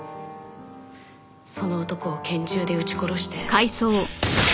その男を拳銃で撃ち殺して。